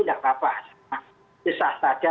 tidak apa apa susah saja